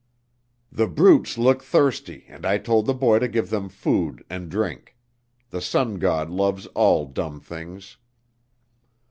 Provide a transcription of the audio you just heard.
"The brutes look thirsty and I told the boy to give them food and drink. The Sun God loves all dumb things."